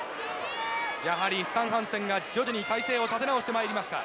やはり、スタン・ハンセンが徐々に体勢を立て直してまいりました。